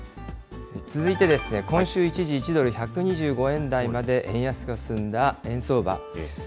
続いて、今週、一時１ドル１２５円台まで円安が進んだ円相場。